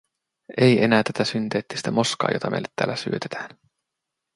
Ei enää tätä synteettistä moskaa, jota meille täällä syötetään.